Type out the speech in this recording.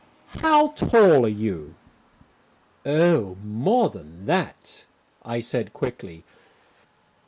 "How tall are you?" "Oh, more than that," I said quickly.